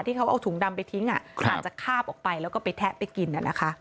ที่เขาเอาถุงดำไปทิ้งอาจจะคาบออกไปแล้วก็ไปแทะไปกิน